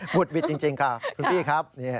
หมุดวิทย์จริงค่ะคุณพี่ครับ